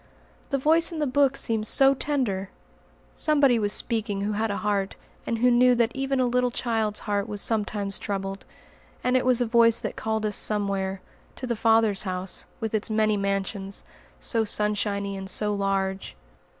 The Voice in the Book seemed so tender! Somebody was speaking who had a heart, and who knew that even a little child's heart was sometimes troubled. And it was a Voice that called us somewhere; to the Father's house, with its many mansions, so sunshiny and so large.